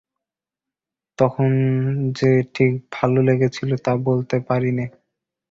তখন যে ঠিক ভালো লেগেছিল তা বলতে পারি নে।